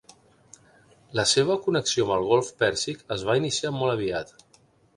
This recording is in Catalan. La seva connexió amb el Golf Pèrsic es va iniciar molt aviat.